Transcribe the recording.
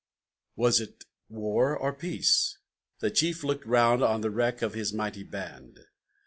Was it war or peace? The Chief looked round On the wreck of his mighty band.